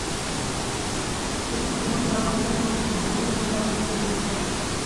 আগামী এক-দেড় বছরের মধ্যে বাংলাদেশের জন্য নিশ্চিত হোম সিরিজ বলতে আছে ইংল্যান্ড সিরিজটাই।